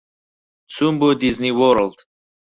چوون بۆ دیزنی وۆرڵد.